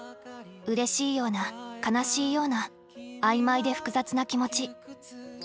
うれしいような悲しいような曖昧で複雑な気持ち。